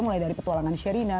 mulai dari petualangan sherina